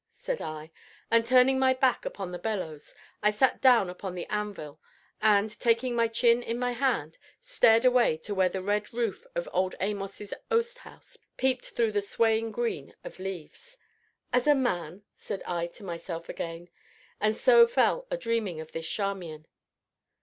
said I, and, turning my back upon the bellows, I sat down upon the anvil and, taking my chin in my hand, stared away to where the red roof of old Amos's oast house peeped through the swaying green of leaves. "As a man?" said I to myself again, and so fell a dreaming of this Charmian.